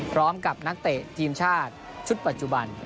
พร้อมกับนักเตะทีมชาติชุดปัจจุบัน